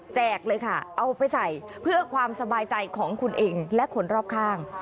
เลยค่ะเอาไปใส่เพื่อความสบายใจของคุณเองและคนรอบข้าง